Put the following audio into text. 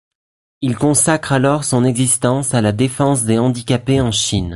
Il consacre alors son existence à la défense des handicapés en Chine.